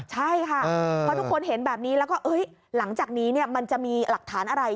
ใช่ค่ะเพราะทุกคนเห็นแบบนี้แล้วก็หลังจากนี้มันจะมีหลักฐานอะไร